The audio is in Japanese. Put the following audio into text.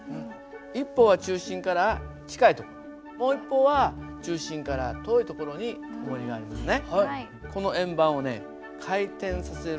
一方は中心から近いところもう一方は中心から遠いところに重りがありますね。